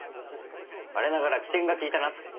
我ながら機転が利いたなって。